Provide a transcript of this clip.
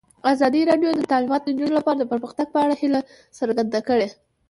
ازادي راډیو د تعلیمات د نجونو لپاره د پرمختګ په اړه هیله څرګنده کړې.